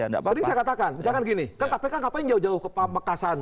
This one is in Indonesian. tadi saya katakan